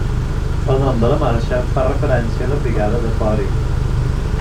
El nom de la marxa fa referència a la Brigada de Pori.